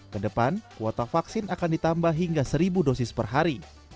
kedepan kuota vaksin akan ditambah hingga seribu dosis per hari